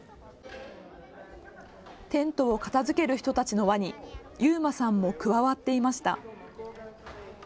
テントを片づける人たちの輪に勇馬さんも加わっていました。